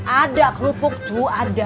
ada kelupuk cu ada